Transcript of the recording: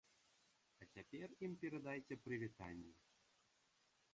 А цяпер ім перадайце прывітанне.